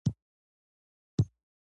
د استراحت لپاره هم باید وخت ولرو.